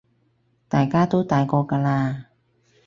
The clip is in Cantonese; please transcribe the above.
大家都大個㗎喇